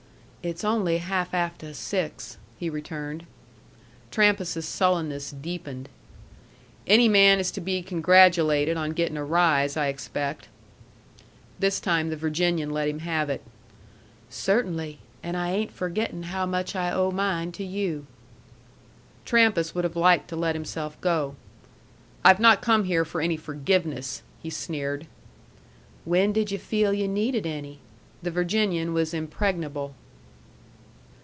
"It's only half afteh six," he returned. Trampas's sullenness deepened. "Any man is to be congratulated on getting a rise, I expect." This time the Virginian let him have it. "Cert'nly. And I ain't forgetting how much I owe mine to you." Trampas would have liked to let himself go. "I've not come here for any forgiveness," he sneered. "When did yu' feel yu' needed any?" The Virginian was impregnable.